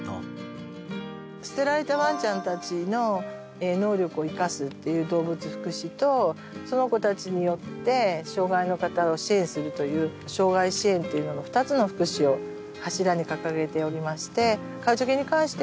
捨てられたワンちゃんたちの能力を生かすっていう動物福祉とその子たちによって障害の方を支援するという障害支援っていう２つの福祉を柱に掲げておりまして。